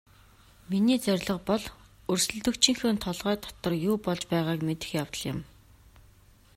Миний зорилго бол өрсөлдөгчийнхөө толгой дотор юу болж байгааг мэдэх явдал юм.